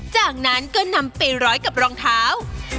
จากนั้นก็นำไปร้อยกับรองเท้า